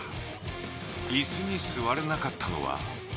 イスに座れなかったのは。